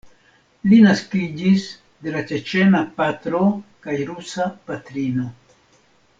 Li naskiĝis de la ĉeĉena patro kaj rusa patrino.